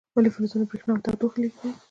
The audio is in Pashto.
ولې فلزونه برېښنا او تودوخه لیږدوي؟